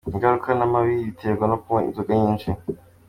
Ingaruka n’amabi biterwa no kunywa inzoga nyinshi.